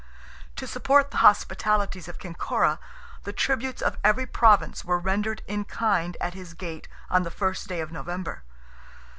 To support the hospitalities of Kinkora, the tributes of every province were rendered in kind at his gate, on the first day of November.